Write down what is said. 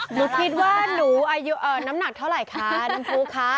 หนูคิดว่าหนูอายุน้ำหนักเท่าไหร่คะน้ำผู้คะ